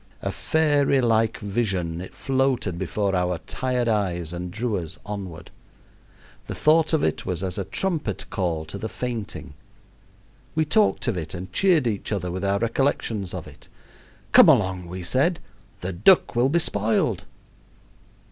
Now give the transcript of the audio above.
A fairy like vision, it floated before our tired eyes and drew us onward. The thought of it was as a trumpet call to the fainting. We talked of it and cheered each other with our recollections of it. "Come along," we said; "the duck will be spoiled."